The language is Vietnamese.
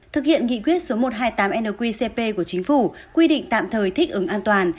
thực hiện nghị quyết số một trăm hai mươi tám nqcp của chính phủ quy định tạm thời thích ứng an toàn